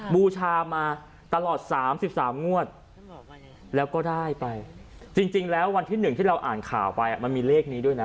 บูชามาตลอดสามสิบสามงวดแล้วก็ได้ไปจริงแล้ววันที่หนึ่งที่เราอ่านข่าวไปมันมีเลขนี้ด้วยนะ